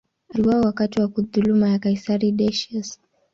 Aliuawa wakati wa dhuluma ya kaisari Decius.